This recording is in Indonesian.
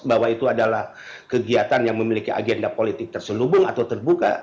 bahwa itu adalah kegiatan yang memiliki agenda politik terselubung atau terbuka